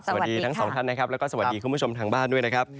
สวัสดีทั้งสองท่านนะครับแล้วก็สวัสดีคุณผู้ชมทางบ้านด้วยนะครับ